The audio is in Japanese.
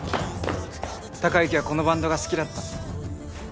孝之はこのバンドが好きだった。